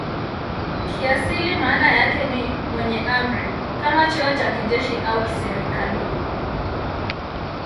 Kiasili maana yake ni "mwenye amri" kama cheo cha kijeshi au kiserikali.